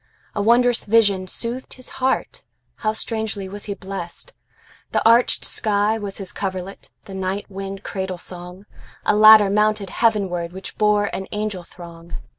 A wondrous vision soothed his heartHow strangely was he blessed! The arched sky was his coverlet, The night wind cradle song;A ladder mounted heavenwardWhich bore an angel throng.